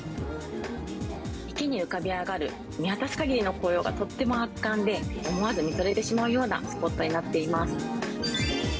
池に浮かび上がる見渡すかぎりの紅葉がとっても圧巻で、思わず見とれてしまうようなスポットになっています。